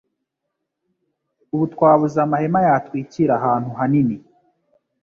Ubu twabuze amahema yatwikira ahantu hanini.